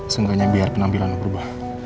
semangatnya biar penampilan lo berubah